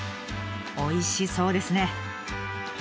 おいしそうですね。